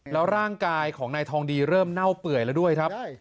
แล้วร่างกายของนายทองดีเริ่มเน่าเปื่อยแล้วด้วยครับ